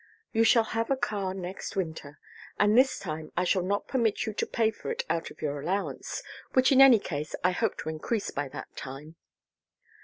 "You shall have a car next winter. And this time I shall not permit you to pay for it out of your allowance which in any case I hope to increase by that time."